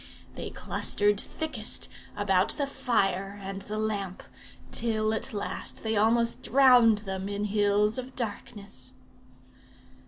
They clustered thickest about the fire and the lamp, till at last they almost drowned them in hills of darkness.